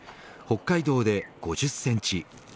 北海道で５０センチ